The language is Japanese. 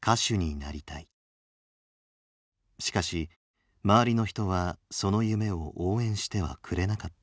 しかし周りの人はその夢を応援してはくれなかった。